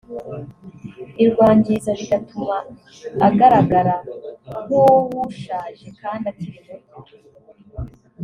irwangiza bigatuma agaragara nk’uwushaje kandi akiri muto